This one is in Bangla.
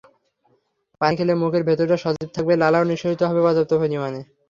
পানি খেলে মুখের ভেতরটা সজীব থাকবে, লালাও নিঃসরিত হবে পর্যাপ্ত পরিমাণে।